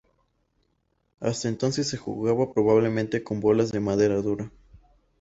Hasta entonces se jugaba probablemente con bolas de madera dura.